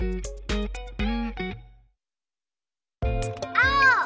あお！